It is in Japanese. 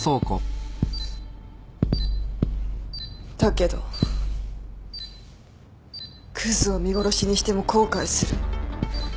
だけどくずを見殺しにしても後悔する。